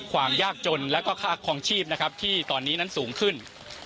ความยากจนแล้วก็ค่าคลองชีพนะครับที่ตอนนี้นั้นสูงขึ้น